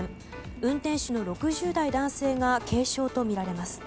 運転手の６０代男性が軽傷とみられます。